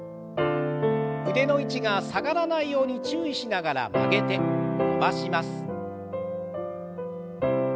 腕の位置が下がらないように注意しながら曲げて伸ばします。